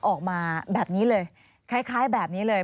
ออกมาแบบนี้เลยคล้ายแบบนี้เลย